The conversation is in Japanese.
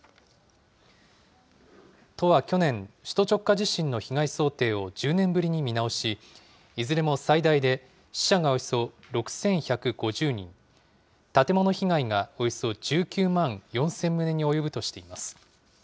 都は去年、首都直下地震の被害想定を１０年ぶりに見直し、いずれも最大で死者がおよそ６１５０人、建物被害がおよそ１９万４０００棟に及ぶとしています。